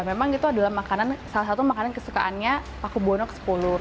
memang itu adalah salah satu makanan kesukaannya paku buwono ke sepuluh